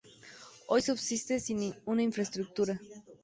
Hoy subsiste sin esa infraestructura.